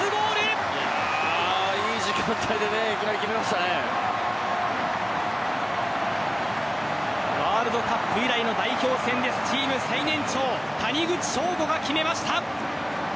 いい時間帯でワールドカップ以来の代表戦です、チーム最年長谷口彰悟が決めました。